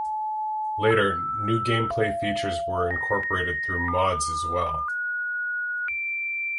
Later, new game play features were incorporated through mods as well.